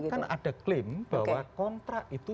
kan ada klaim bahwa kontrak itu